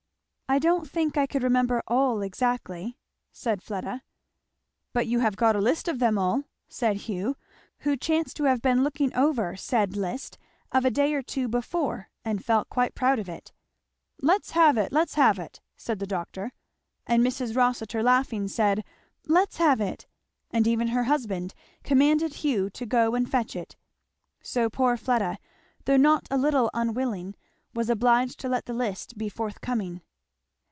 "I don't think I could remember all exactly," said Fleda. "But you have got a list of them all," said Hugh, who chanced to have been looking over said list of a day or two before and felt quite proud of it. "Let's have it let's have it," said the doctor. And Mrs. Rossitur laughing said "Let's have it;" and even her husband commanded Hugh to go and fetch it; so poor Fleda, though not a little unwilling, was obliged to let the list be forthcoming.